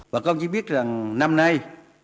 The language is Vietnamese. bà công chí biết rằng năm nay